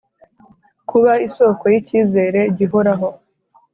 kuba isoko yicyizere gihoraho